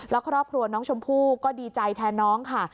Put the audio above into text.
แล้วครอบครัวน้องชมพู่ก็ดีใจแทนน้องค่ะ